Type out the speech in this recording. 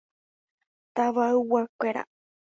Tavayguakuéra.